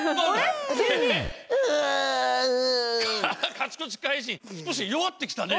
カチコチ怪人少し弱ってきたね。